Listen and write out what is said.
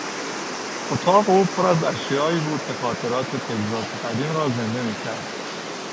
اتاق او پر از اشیایی بود که خاطرات تگزاس قدیم را زنده میکرد.